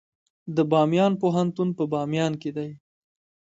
د بامیان پوهنتون په بامیان کې دی